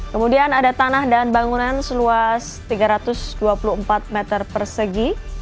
kemudian ada tanah dan bangunan seluas tiga ratus dua puluh empat meter persegi